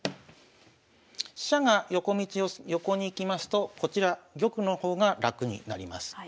飛車が横に行きますとこちら玉の方が楽になります。